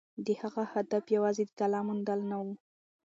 د هغه هدف یوازې د طلا موندل نه وو.